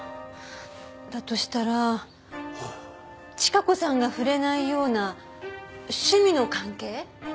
だとしたらチカ子さんが触れないような趣味の関係？